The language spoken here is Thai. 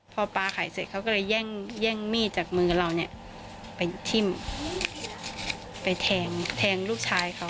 พ่อปลาไข่เสร็จเขาก็เลยแย่งมี่จากมือเราไปทิ่มไปแทงลูกชายเขา